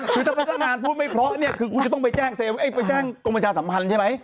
คือถ้าพนักงานพูดไม่เพราะเนี่ยคือคุณจะต้องไปแจ้งไปแจ้งกรมประชาสัมพันธ์ใช่ไหม